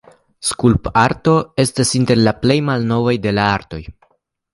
Skulptarto estas inter la plej malnovaj de la artoj.